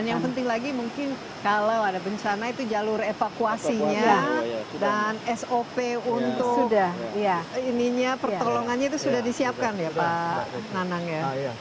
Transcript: dan yang penting lagi mungkin kalau ada bencana itu jalur evakuasinya dan sop untuk pertolongannya itu sudah disiapkan ya pak nanang ya